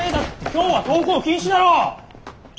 今日は登校禁止だろう！